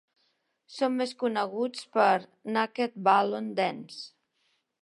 Són més coneguts per "Naked Balloon Dance".